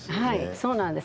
そうなんです。